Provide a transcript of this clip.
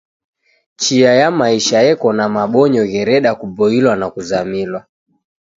Chia ya maisha eko na mabonyo ghereda kuboilwa na kuzamilwa.